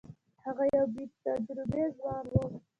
هغه یو بې تجربې ځوان وو.